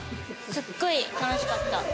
すごい楽しかった。